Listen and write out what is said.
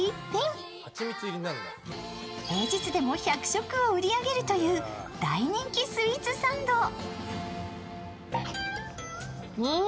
平日でも１００食を売り上げるという大人気スイーツサンド。